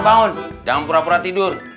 jangan pura pura tidur